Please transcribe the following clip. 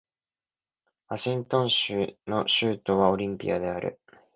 ワシントン州の州都はオリンピアである